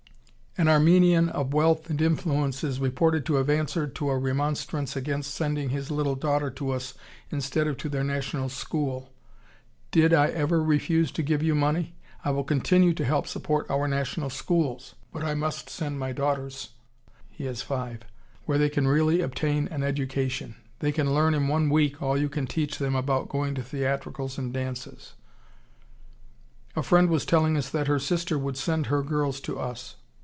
An Armenian of wealth and influence is reported to have answered to a remonstrance against sending his little daughter to us instead of to their national school: 'Did I ever refuse to give you money? I will continue to help support our national schools, but I must send my daughters (he has five) where they can really obtain an education. They can learn in one week all you can teach them about going to theatricals and dances.' A friend was telling us that her sister would send her girls to us.